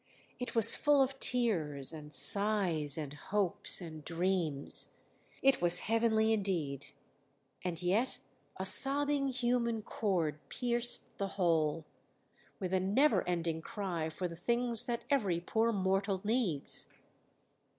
It was full of tears, and sighs, and hopes, and dreams; it was heavenly indeed, and yet a sobbing human chord pierced the whole, with a never ending cry for the things that every poor mortal needs.